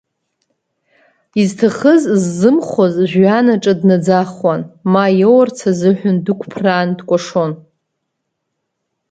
Изҭахыз ззымхоз жәҩанаҿ днаӡахуан, ма иоурц азыҳәан дықәԥраан дкәашон!